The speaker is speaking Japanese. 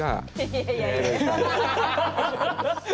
いやいやいや。